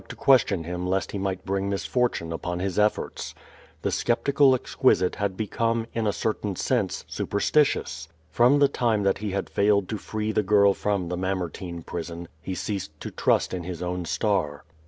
to question him lest he might bring misfortune upon his eflForts. The skeptical exquisite had bocome, in a certain sense, superstitious. Prom the time that he had failed to free the girl from the Mamertine prison, he ceased to trust in his own star.